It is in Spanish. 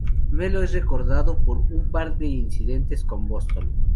Melo es recordado por un par de incidentes con Boston.